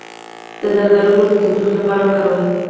د زردالو ګل د ټوخي لپاره وکاروئ